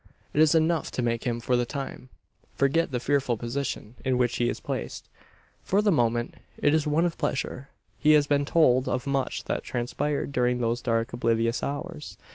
It is enough to make him, for the time, forget the fearful position in which he is placed. For the moment, it is one of pleasure. He has been told of much that transpired during those dark oblivious hours.